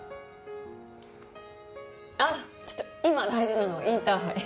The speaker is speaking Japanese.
あっちょっと今大事なのはインターハイ。